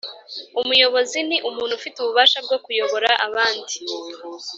Umuyobozi Ni umuntu ufite ububasha bwo kuyobora abandi